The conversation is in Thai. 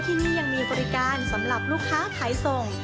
ที่นี่ยังมีบริการสำหรับลูกค้าขายส่ง